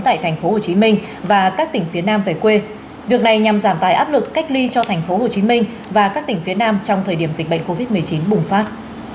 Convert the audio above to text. tại thành phố hồ chí minh và các tỉnh phía nam về quê việc này nhằm giảm tài áp lực cách ly cho thành phố hồ chí minh và các tỉnh phía nam trong thời điểm dịch bệnh covid một mươi chín bùng phát